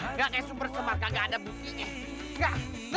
nggak kayak super semar nggak ada buktinya